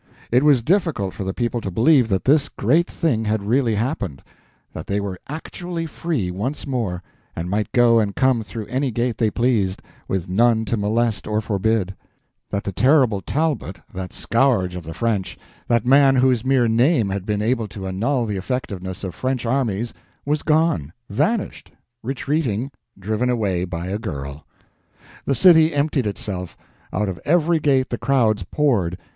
It was difficult for the people to believe that this great thing had really happened; that they were actually free once more, and might go and come through any gate they pleased, with none to molest or forbid; that the terrible Talbot, that scourge of the French, that man whose mere name had been able to annul the effectiveness of French armies, was gone, vanished, retreating—driven away by a girl. The city emptied itself. Out of every gate the crowds poured.